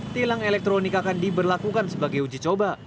tilang elektronik akan diberlakukan sebagai uji coba